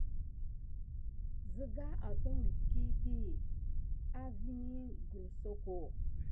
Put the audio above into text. Ziga àton kik à vini gəlsoko.